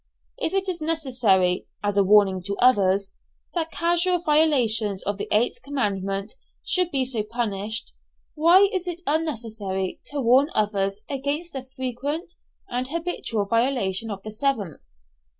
If it is necessary, "as a warning to others," that casual violations of the eighth commandment should be so punished, why is it unnecessary to warn others against the frequent and habitual violation of the seventh?